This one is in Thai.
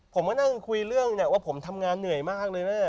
ผมก็นั่งคุยเรื่องว่าผมทำงานเหนื่อยมากเลยนะ